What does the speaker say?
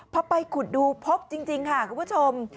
พอไปขุดดูพบจริงค่ะคุณผู้ชม